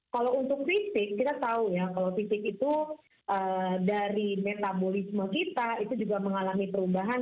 kalau untuk fisik kita tahu ya kalau fisik itu dari metabolisme kita itu juga mengalami perubahan